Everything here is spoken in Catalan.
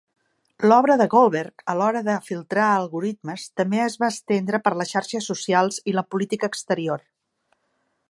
L'obra de Goldberg a l'hora de filtrar algoritmes també es va estendre per les xarxes socials i la política exterior.